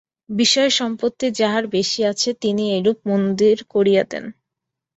বিষয় সম্পত্তি যাঁহার বেশী আছে, তিনি এইরূপ মন্দির করিয়া দেন।